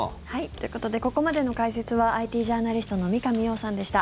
ということでここまでの解説はＩＴジャーナリストの三上洋さんでした。